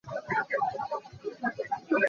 Mi a hremmi khi misual an si.